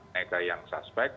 mereka yang suspek